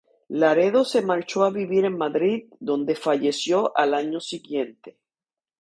Laredo se marchó a vivir a Madrid, donde falleció al año siguiente.